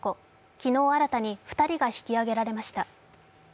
昨日、新たに２人が引き揚げられました。